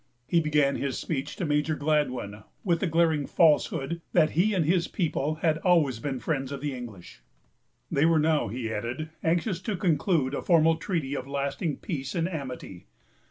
He began his speech to Major Gladwyn, with the glaring falsehood that he and his people had always been friends of the English. They were now, he added, anxious to conclude a formal treaty of lasting peace and amity.